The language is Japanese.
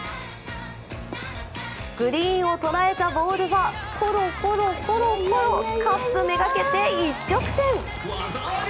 グリーンを捉えたボールはコロコロコロコロカップ目がけて一直線。